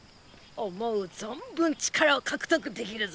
思う存分力を獲得できるゾ！